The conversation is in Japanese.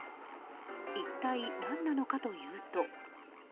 一体、何なのかというと。